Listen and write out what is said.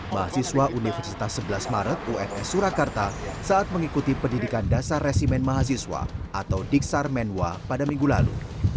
mahasiswa universitas sebelas maret ums surakarta saat mengikuti pendidikan dasar resimen mahasiswa atau diksar menwa pada minggu lalu